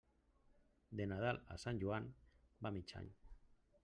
De Nadal a Sant Joan, va mig any.